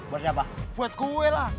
buat siapa buat kue lah